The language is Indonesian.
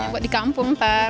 buat di kampung ntar